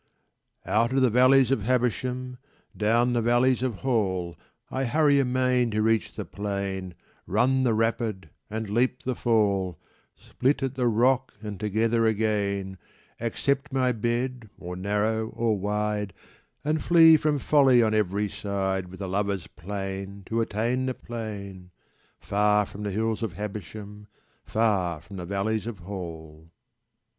Out of the hills of Habersham, Down the valleys of Hall, I hurry amain to reach the plain, Run the rapid and leap the fall, Split at the rock and together again, Accept my bed, or narrow or wide, And flee from folly on every side With a lover's pain to attain the plain Far from the hills of Habersham, Far from the valleys of Hall.